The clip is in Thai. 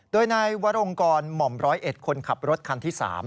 โดยนายวรงกรมหม่อมร้อยเอ็ดคนขับรถคันที่๓